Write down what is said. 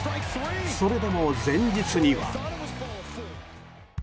それでも、前日には。